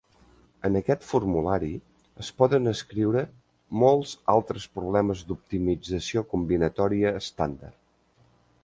En aquest formulari es poden escriure molts altres problemes d'optimització combinatòria estàndard.